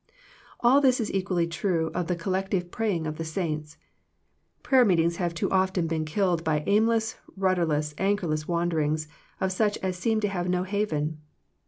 All this is equally true of the collective praying of the saints. Prayer meetings have too often been killed by aimless, rudderless, anchorless wanderings of such as seem to have no haven.